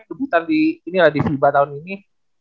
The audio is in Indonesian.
tapi kebutuhan di inilah di fiba tahun ini